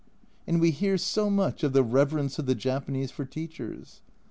And we hear so much of the "reverence of the Japanese for teachers."